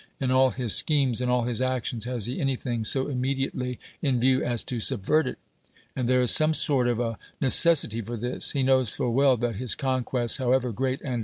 in all his schemes, in all his acti< )ns, has he anything so immediate^ ly in view as to subveii it. And there is some 80T t of a nc, (' .vity for 1liis. Tie k noVv's full well that hi> eoii.jie : ,N, howevi^r great and e.